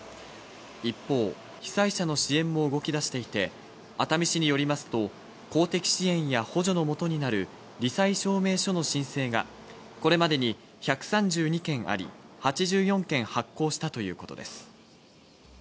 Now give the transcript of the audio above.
一方、被災者の支援も動きだしていて、熱海市によりますと、公的支援や補助のもとになる、り災証明書の申請が、これまでに１３２件あり、８４件発行したということです。